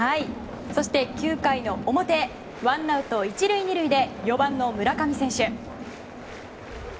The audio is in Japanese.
そして９回の表ワンアウト１塁２塁で４番の村上選手。